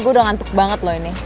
gue udah ngantuk banget loh ini